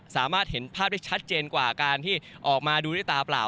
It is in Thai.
สามารถเห็นภาพได้ชัดเจนกว่าการที่ออกมาดูด้วยตาเปล่า